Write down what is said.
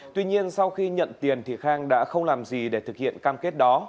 tuy nhiên sau khi nhận tiền thì khang đã không làm gì để thực hiện cam kết đó